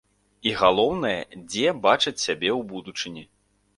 І галоўнае, дзе бачаць сябе ў будучыні?